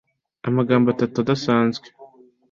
amagambo atatu adasanzwe